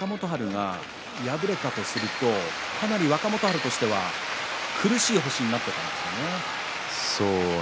もし今日若元春が敗れたとするとかなり若元春としては苦しい星になったんですね。